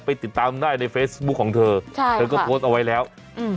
ติดตามได้ในเฟซบุ๊คของเธอใช่เธอก็โพสต์เอาไว้แล้วอืม